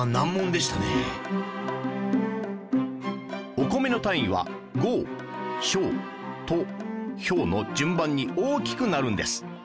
お米の単位は合升斗俵の順番に大きくなるんです